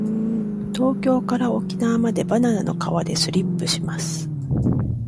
東京から沖縄までバナナの皮でスリップします。